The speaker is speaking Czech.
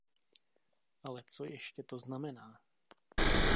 Ale co ještě to znamená?